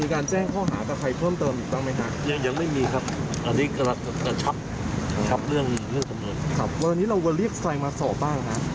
คุณแซนไม่ได้มา